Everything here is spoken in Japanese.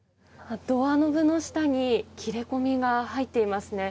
ドアノブの下に切れ込みが入っていますね。